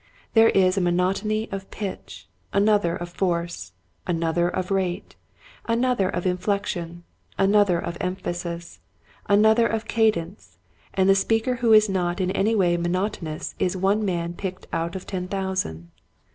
There is a monotony of pitch, another of force, another of rate, another of inflection, another of emphasis, another of cadence, and the speaker who is not in any way monotonous is one man picked out of ten thousand, Mannerisms.